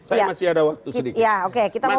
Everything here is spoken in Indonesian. saya masih ada waktu sedikit